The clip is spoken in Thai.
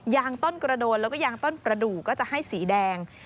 ต้นกระโดนแล้วก็ยางต้นประดูกก็จะให้สีแดง